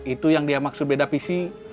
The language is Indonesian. itu yang dia maksud beda visi